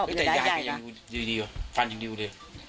อร่อยแต่ยายก็ยังดูดีฟันยังดูดี